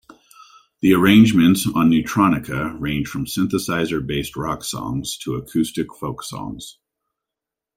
The arrangements on "Neutronica" range from synthesizer-based rock songs to acoustic folk songs.